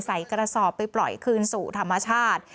ใส่กระสอบไปปล่อยคืนสู่ธรรมชาติ